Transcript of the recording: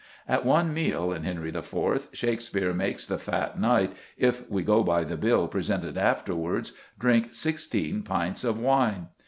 At one meal, in Henry IV., Shakespeare makes the fat knight, if we go by the bill presented afterwards, drink sixteen pints of wine!